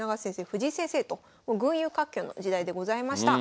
藤井先生と群雄割拠の時代でございました。